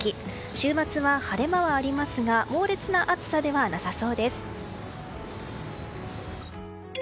週末は晴れ間はありますが猛烈な暑さではなさそうです。